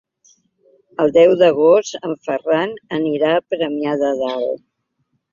El deu d'agost en Ferran anirà a Premià de Dalt.